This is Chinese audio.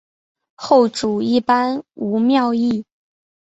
后主一般无庙谥。